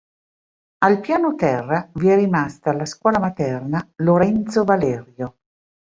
Al piano terra vi è rimasta la Scuola Materna "Lorenzo Valerio".